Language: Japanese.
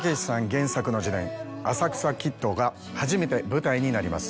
原作の自伝『浅草キッド』が初めて舞台になります。